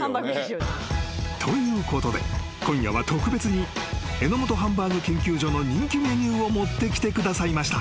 ［ということで今夜は特別に榎本ハンバーグ研究所の人気メニューを持ってきてくださいました］